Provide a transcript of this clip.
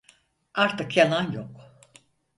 Artık yalan yok.